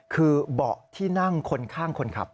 คือเบาะที่นั่งคนข้างคนขับ